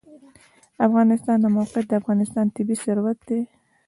د افغانستان د موقعیت د افغانستان طبعي ثروت دی.